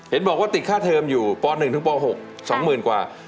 เห็นบอกว่าติดค่าเทอมอยู่ป๑ถึงป๖๒๐๐๐กว่า